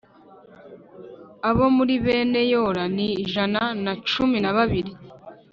Abo muri bene Yora ni ijana na cumi na babiri